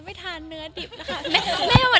ไม่ทานเนื้อดิบนะคะ